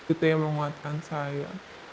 itu yang menguatkan saya